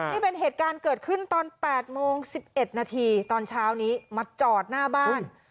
นี่เป็นเหตุการณ์เกิดขึ้นตอน๘โมง๑๑นาทีตอนเช้านี้มาจอดหน้าบ้าน